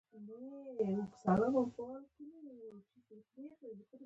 د یوې مسألې لپاره څو کتابونه لټول